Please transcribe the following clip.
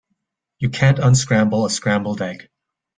You can't unscramble a scrambled egg.